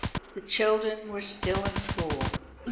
The children were still in school.